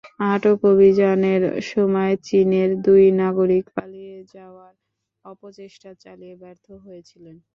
আটক অভিযানের সময় চীনের দুই নাগরিক পালিয়ে যাওয়ার অপচেষ্টা চালিয়ে ব্যর্থ হয়েছেন।